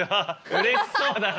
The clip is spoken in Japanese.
うれしそうだな。